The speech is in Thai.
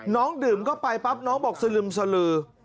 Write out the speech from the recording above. น้องดื่มเข้าไปปั๊บน้องบอกสลึมสลือ